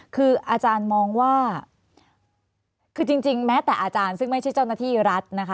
คืออาจารย์มองว่าคือจริงแม้แต่อาจารย์ซึ่งไม่ใช่เจ้าหน้าที่รัฐนะคะ